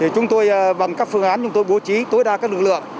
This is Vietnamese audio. chúng tôi bằng các phương án bố trí tối đa các lực lượng